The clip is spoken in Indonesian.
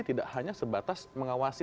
tidak hanya sebatas mengawasi